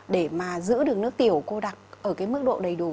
để mà giữ đường nước tiểu cô đặc ở cái mức độ đầy đủ